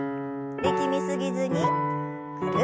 力み過ぎずにぐるっと。